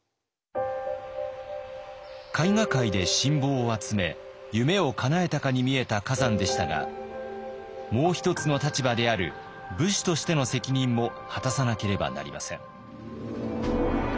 絵画界で信望を集め夢をかなえたかに見えた崋山でしたがもう一つの立場である武士としての責任も果たさなければなりません。